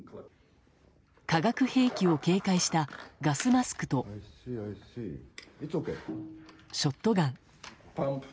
化学兵器を警戒したガスマスクとショットガン。